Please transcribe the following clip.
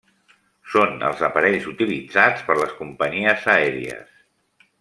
Són els aparells utilitzats per les companyies aèries.